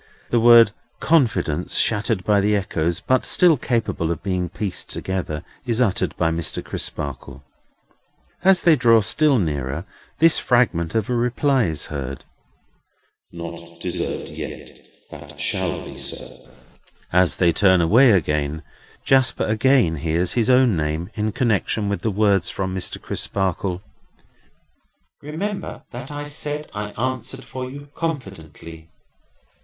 The word "confidence," shattered by the echoes, but still capable of being pieced together, is uttered by Mr. Crisparkle. As they draw still nearer, this fragment of a reply is heard: "Not deserved yet, but shall be, sir." As they turn away again, Jasper again hears his own name, in connection with the words from Mr. Crisparkle: "Remember that I said I answered for you confidently."